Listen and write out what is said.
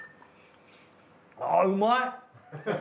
あぁうまい！